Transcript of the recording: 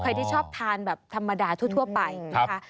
ที่ชอบทานแบบธรรมดาทั่วไปนะคะ